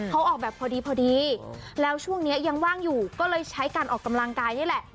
เขาออกแบบพอดีพอดีแล้วช่วงนี้ยังว่างอยู่ก็เลยใช้การออกกำลังกายนี่แหละ